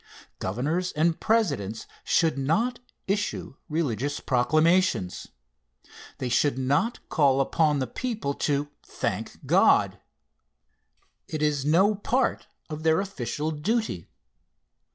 Governors and Presidents should not issue religious proclamations. They should not call upon the people to thank God. It is no part of their official duty.